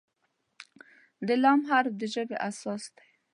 د "ل" حرف د ژبې اساس دی.